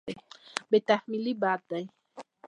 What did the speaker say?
بې تحملي بد دی.